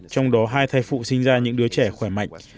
trong đó hai thai phụ sinh ra những đứa trẻ khỏe mạnh